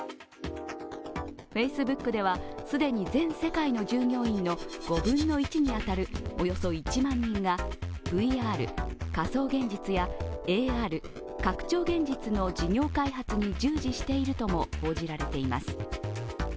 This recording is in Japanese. Ｆａｃｅｂｏｏｋでは、既に全世界の従業員の５分の１に当たるおよそ１万人がＶＲ＝仮想現実やＡＲ＝拡張現実の事業開発に従事しているとも報じられています。